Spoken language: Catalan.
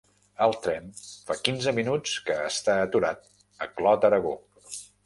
El tren fa quinze minuts que està aturat a Clot-Aragó.